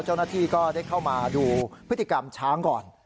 เจ้าหน้าที่ก็ได้เข้ามาดูพฤติกรรมช้างก่อน